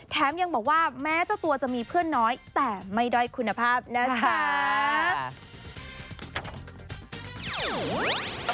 ยังบอกว่าแม้เจ้าตัวจะมีเพื่อนน้อยแต่ไม่ด้อยคุณภาพนะจ๊ะ